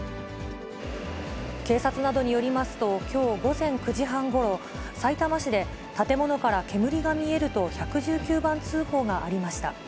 警察などによりますと、きょう午前９時半ごろ、さいたま市で建物から煙が見えると１１９番通報がありました。